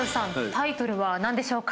タイトルは何でしょうか？